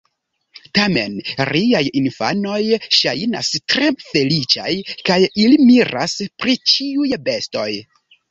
Tamen riaj infanoj ŝajnas tre feliĉaj, kaj ili miras pri ĉiuj bestoj.